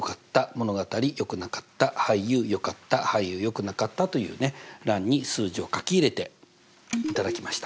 「物語よくなかった」「俳優よかった」「俳優よくなかった」という欄に数値を書き入れていただきました。